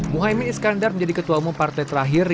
muhaymin iskandar menjadi ketua umum partai terakhir